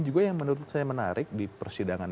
juga yang menurut saya menarik di persidangan